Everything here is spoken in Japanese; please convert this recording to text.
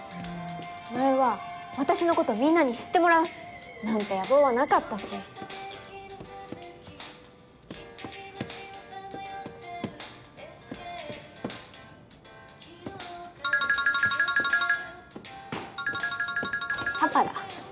前は「私のことみんなに知ってもらう」なんて野望はなかったし。パパだ。